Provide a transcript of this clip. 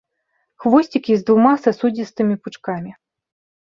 Хвосцікі з двума сасудзістымі пучкамі.